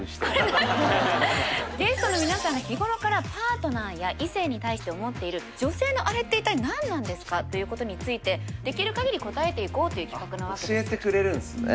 ゲストの皆さんが日頃からパートナーや異性に対して思っている女性のあれって一体何なんですかということについてできる限り答えていこうっていう企画なわけです。